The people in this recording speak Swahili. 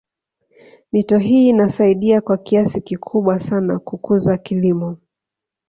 Mito hii inasaidia kwa kiasi kikubwa sana kukuza kilimo